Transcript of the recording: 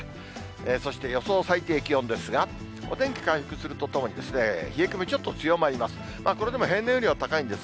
そして、予想最低気温ですが、お天気回復するとともに、冷え込み、ちょっと強まります。